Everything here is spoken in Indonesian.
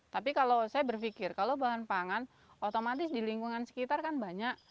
tapi kalau saya berpikir kalau bahan pangan otomatis di lingkungan sekitar kan banyak